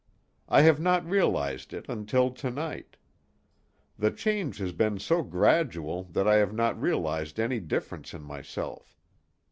I have not realized it until to night. The change has been so gradual that I have not realized any difference in myself.